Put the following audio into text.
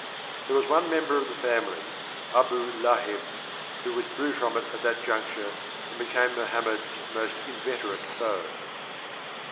There was one member of the family, Abu Laheb, who withdrew from it at that juncture and became Mohammed's most inveterate foe.